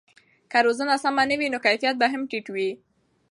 که روزنه سمه نه وي نو کیفیت به هم ټیټ وي.